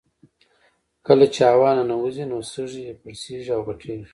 کله چې هوا ننوځي نو سږي پړسیږي او غټیږي